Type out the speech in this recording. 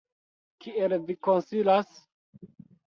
Kiel vi konsilas?